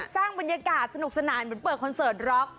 สร้างบรรยากาศสนุกสนานเหมือนเปิดคอนเสิร์ตร็อก